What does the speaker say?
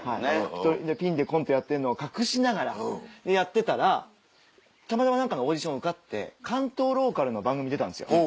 ピンでコントやってるのを隠しながらやってたらたまたま何かのオーディション受かって関東ローカルの番組出たんですよ。